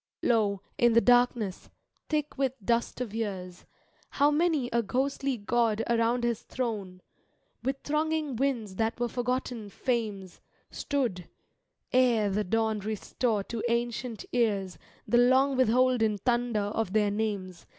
Lo, in the darkness, thick with dust of years. How many a ghostly god around his throne. With thronging winds that were forgotten Fames, Stood, ere the dawn restore to ancient ears The long ^thholden thunder of their names.